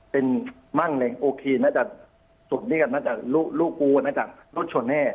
เป็นมั่งเลยโอเคน่าจะจบด้วยกันน่าจะลูกกูน่าจะรถชนแน่